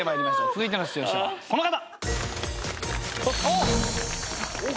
続いての出場者はこの方。